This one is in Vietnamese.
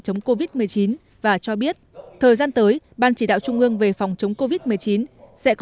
chống covid một mươi chín và cho biết thời gian tới ban chỉ đạo trung ương về phòng chống covid một mươi chín sẽ có